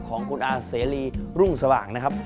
ของคุณอาเสรีรุ่งสว่างนะครับ